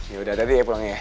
yaudah tadi ya pulangnya ya